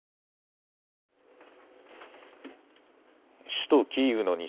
首都キーウの西